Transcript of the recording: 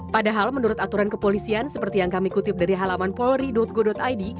padahal menurut aturan kepolisian seperti yang kami kutip dari halaman polri go id